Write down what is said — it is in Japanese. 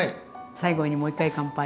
最後にもう一回乾杯。